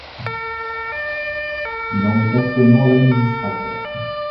Il en est actuellement l'administrateur.